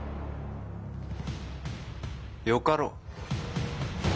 よかろう。